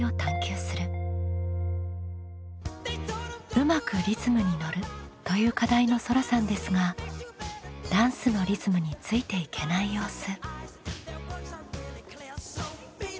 「うまくリズムにのる」という課題のそらさんですがダンスのリズムについていけない様子。